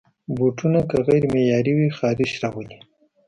بوټونه که غیر معیاري وي، خارش راولي.